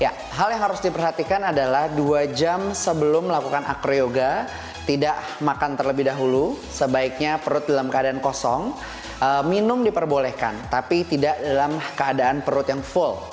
ya hal yang harus diperhatikan adalah dua jam sebelum melakukan acroyoga tidak makan terlebih dahulu sebaiknya perut dalam keadaan kosong minum diperbolehkan tapi tidak dalam keadaan perut yang full